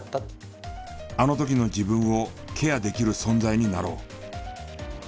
あの時の自分をケアできる存在になろう。